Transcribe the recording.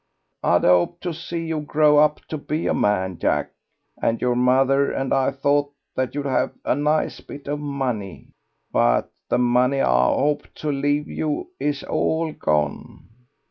I'd hoped to see you grow up to be a man, Jack, and your mother and I thought that you'd have a nice bit of money. But the money I hoped to leave you is all gone.